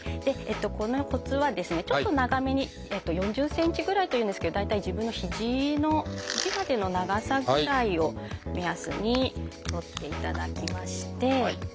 このコツはですねちょっと長めに４０ｃｍぐらいというんですけど大体自分のひじのひじまでの長さぐらいを目安に取っていただきまして。